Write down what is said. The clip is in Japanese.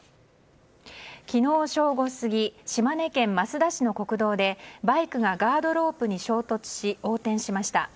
昨日正午過ぎ島根県益田市の国道でバイクがガードロープに衝突し横転しました。